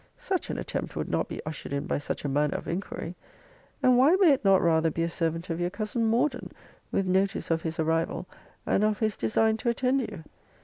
Such an attempt would not be ushered in by such a manner of inquiry. And why may it not rather be a servant of your cousin Morden, with notice of his arrival, and of his design to attend you?